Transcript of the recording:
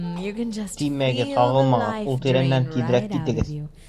— Теймәгеҙ, ҡағылмағыҙ, ул тирәнән тиҙерәк китегеҙ!